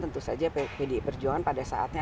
tentu saja pdi perjuangan pada saatnya